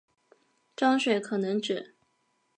章水可能指